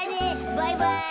バイバイ！